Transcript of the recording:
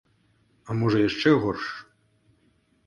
А можа яшчэ горш?